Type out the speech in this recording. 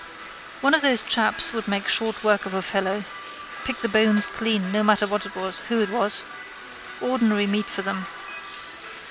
One of those chaps would make short work of a fellow. Pick the bones clean no matter who it was. Ordinary meat for them.